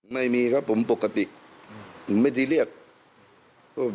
ผมไม่เคยโกรธมันมันคือน้องของผม